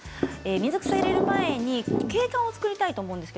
水草を入れる前に景観を作りたいと思います。